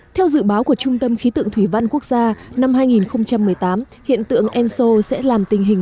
theo dự báo của trung tâm khí tượng thủy văn quốc gia năm hai nghìn một mươi tám hiện tượng enso sẽ làm tình hình